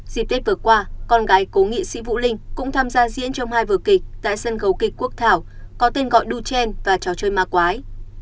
dịp tết vừa qua con gái cố nghị sĩ vũ linh cũng tham gia diễn trong hai vở kịch tại sân khấu kịch quốc thảo có tên gọi du trend và trò chơi ma quái